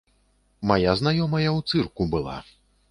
Мая знаёмая ў цырку была.